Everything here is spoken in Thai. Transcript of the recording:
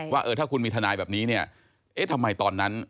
ว่าถ้าคุณมีธนายแบบนี้ทำไมตอนนั้น